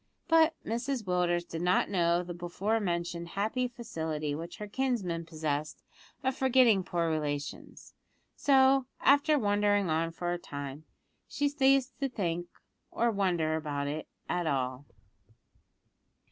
But Mrs Willders did not know of the before mentioned happy facility which her kinsman possessed of forgetting poor relations; so, after wondering on for a time, she ceased to wonder or to think about it at all.